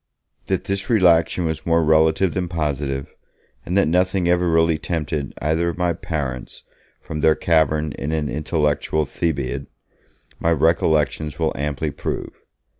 That this relaxation was more relative than positive, and that nothing ever really tempted either of my parents from their cavern in an intellectual Thebaid, my recollections will amply prove.